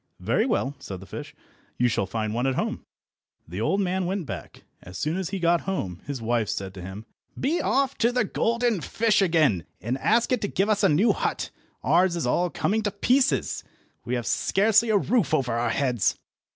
"Very well," said the fish, "you shall find one at home." The old man went back. As soon as he got home his wife said to him— "Be off to the golden fish again, and ask it to give us a new hut. Ours is all coming to pieces. We have scarcely a roof over our heads."